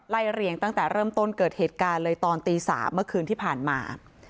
เรียงตั้งแต่เริ่มต้นเกิดเหตุการณ์เลยตอนตี๓เมื่อคืนที่ผ่านมา